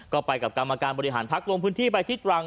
ก็ไปกับกรรมการบริหารพักลงพื้นที่ไปที่ตรัง